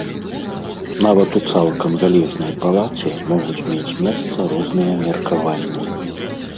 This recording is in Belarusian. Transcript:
Нават у цалкам залежнай палаце могуць мець месца розныя меркаванні.